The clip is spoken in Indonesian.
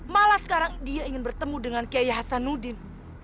malah sekarang dia ingin bertemu dengan kiai hasanuddin